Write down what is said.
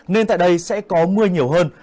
nên tại đây sẽ có mưa nhiều hơn